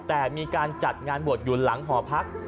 แต่มีการจัดงานบวชอยู่หลังหอพัก